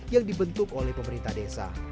yang dibentuk oleh pemerintah desa